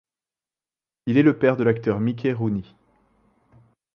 Il est le père de l'acteur Mickey Rooney.